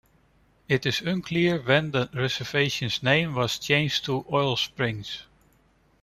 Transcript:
It is unclear when the reservation's name was changed to Oil Springs.